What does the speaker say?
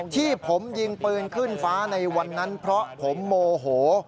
ที่ผมยิงปืนขึ้นฟ้าในวันนั้นเพราะผมโมโห